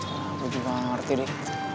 aku juga ngerti deh